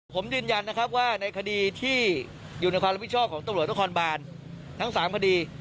ผมยืนยันนะครับว่าในคดีที่อยู่ในความรับผิดชอบของตำรวจนครบานทั้ง๓คดี